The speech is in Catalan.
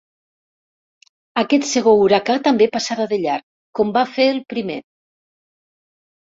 Aquest segon huracà també passarà de llarg, com va fer el primer!